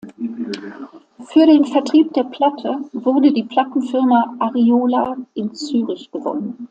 Für den Vertrieb der Platte wurde die Plattenfirma Ariola in Zürich gewonnen.